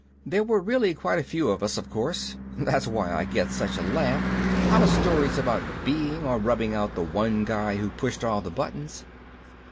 There were really quite a few of us, of course that's why I get such a laugh out of stories about being or rubbing out the one guy who pushed all the buttons."